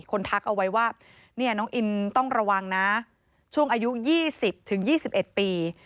คนทักเอาไว้ว่าเนี่ยน้องอินต้องระวังนะช่วงอายุยี่สิบถึงยี่สิบเอ็ดปี